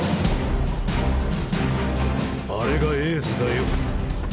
あれがエースだよ。